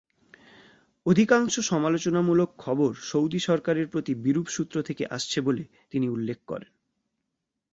অধিকাংশ সমালোচনামূলক খবর সৌদি সরকারের প্রতি বিরূপ সূত্র থেকে আসছে বলে তিনি উল্লেখ করেন।